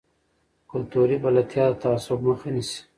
کلتوري بلدتیا د تعصب مخه نیسي.